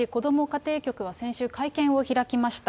家庭局は先週、会見を開きました。